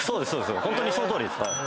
ホントにそのとおりです。